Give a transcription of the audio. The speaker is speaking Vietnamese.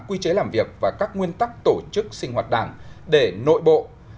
quy chế làm việc và các nguyên tắc tổ chức sinh hoạt đảng để nội bộ